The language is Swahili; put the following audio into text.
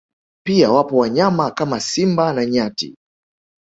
Pia wapo wanyama kama Simba na nyati